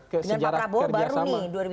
dengan pak prabowo baru nih